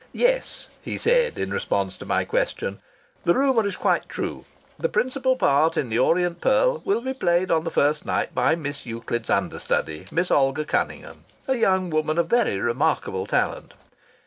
"Yes," he said in response to my question, "the rumour is quite true. The principal part in 'The Orient Pearl' will be played on the first night by Miss Euclid's understudy, Miss Olga Cunningham, a young woman of very remarkable talent.